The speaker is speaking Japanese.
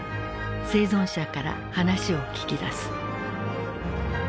生存者から話を聞き出す。